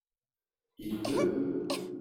Il pleut ?